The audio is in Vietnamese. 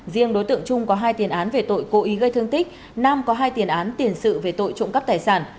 riêng đối tượng trung có hai tiền án về tội cố ý gây thương tích nam có hai tiền án tiền sự về tội trộm cắp tài sản